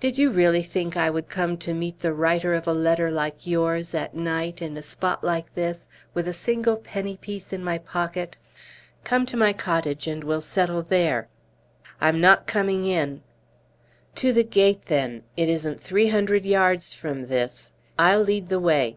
"Did you really think I would come to meet the writer of a letter like yours, at night, in a spot like this, with a single penny piece in my pocket? Come to my cottage, and we'll settle there." "I'm not coming in!" "To the gate, then. It isn't three hundred yards from this. I'll lead the way."